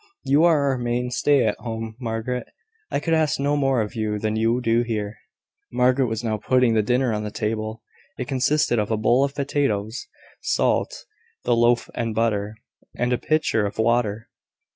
"You are our main stay at home, Margaret. I could ask no more of you than you do here." Margaret was now putting the dinner on the table. It consisted of a bowl of potatoes, salt, the loaf and butter, and a pitcher of water.